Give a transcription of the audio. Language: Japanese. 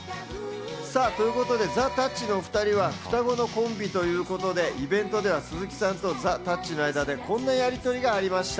ということでザ・たっちのお２人は双子のコンビということでイベントでは鈴木さんとザ・たっちの間でこんなやりとりがありました。